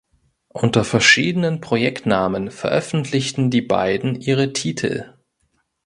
Unter verschiedenen Projektnamen veröffentlichten die beiden ihre Titel.